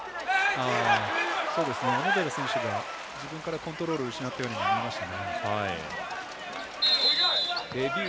小野寺選手が、自分からコントロール失ったようにも見えました。